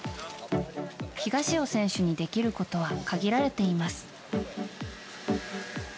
東尾選手にできることは限られています。